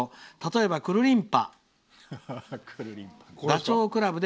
例えば、くるりんぱ。